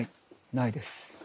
ないです。